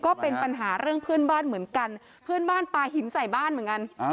ก็เป็นปัญหาเรื่องเพื่อนบ้านเหมือนกันเพื่อนบ้านปลาหินใส่บ้านเหมือนกัน